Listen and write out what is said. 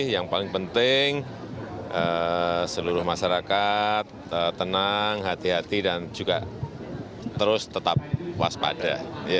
yang paling penting seluruh masyarakat tenang hati hati dan juga terus tetap waspada